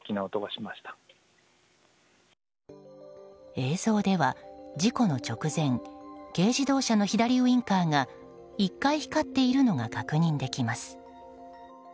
映像では、事故の直前軽自動車の左ウィンカーが１回光っているのが確認できます。